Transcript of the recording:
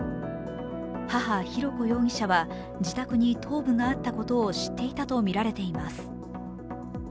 母・浩子容疑者は自宅に頭部があったことを知っていたとみられています。